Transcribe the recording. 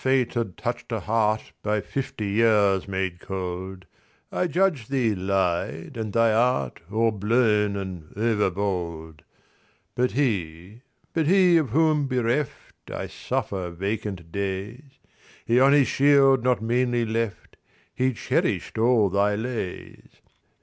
Ere certain Fate had touched a heartBy fifty years made cold,I judged thee, Lyde, and thy artO'erblown and over bold. But he—but he, of whom bereftI suffer vacant days—He on his shield not meanly left—He cherished all thy lays.